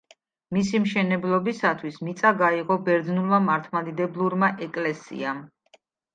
მისი მშენებლობისთვის მიწა გაიღო ბერძნულმა მართლმადიდებლურმა ეკლესიამ.